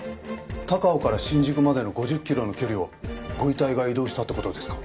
高尾から新宿までの５０キロの距離をご遺体が移動したって事ですか？